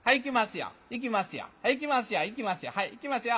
はいいきますよ。